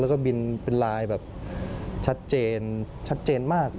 และบินลายแบบชัดเจนชัดเจนมาก